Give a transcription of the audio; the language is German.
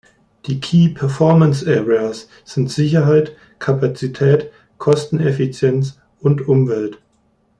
Die „Key Performance Areas“ sind Sicherheit, Kapazität, Kosteneffizienz und Umwelt.